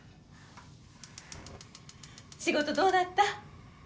仕事どうだった？